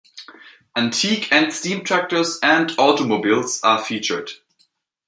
Antique and steam tractors and automobiles are featured.